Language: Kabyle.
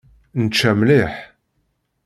Nečča mliḥ.